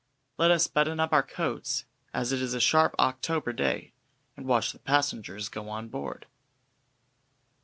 Let us button up our coats, as it is a sharp October day, and watch the passengers go on board.